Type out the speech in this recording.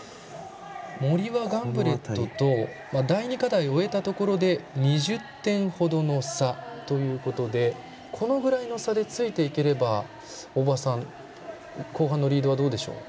森はガンブレットと第２課題を終えたところで２０点程の差ということでこのぐらいの差でついていければ大場さん後半のリードは、どうでしょう？